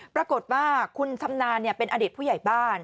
ปรากฏว่าคุณชำนาญเป็นอดีตผู้ใหญ่บ้าน